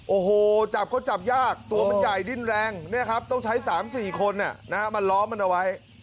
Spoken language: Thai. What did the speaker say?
โอ้โหจับก็จับยากตัวมันใหญ่ดิ้นแรงเนี่ยครับต้องใช้๓๔คนมาล้อมมันเอาไว้